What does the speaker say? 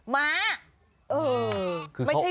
ม้า